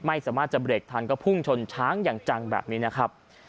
ไม่สามารถจะเบรกทันก็พุ่งชนช้างอย่างจังแบบนี้นะครับ